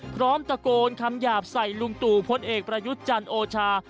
พร้อมตะโกนคำหยาบใส่ลุงตู่พลเอกประยุทธ์จันทร์โอชา